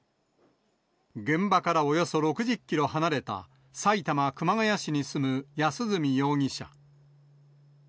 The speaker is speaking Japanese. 現場からおよそ６０キロ離れた埼玉・熊谷市に住む安栖容疑者。